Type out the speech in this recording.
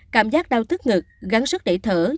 cảm giác đau tức ngực gắn sức để thở